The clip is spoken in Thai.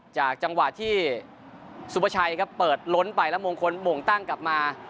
จากจังหวะที่ซุปชัยเปิดล้นไปแล้วโมงตั้งกลับมา